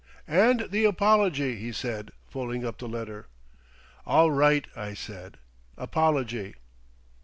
"And the apology," he said, folding up the letter. "All right," I said; "Apology."